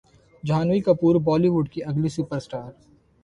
Jhanvi Kapoor Bollywood کی اگلی super star